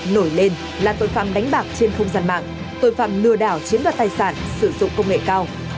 nổi lên là tội phạm đánh bạc trên không gian mạng tội phạm lừa đảo chiếm đoạt tài sản sử dụng công nghệ cao